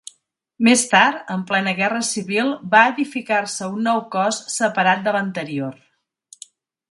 Més tard, en plena Guerra Civil, va edificar-se un nou cos separat de l'anterior.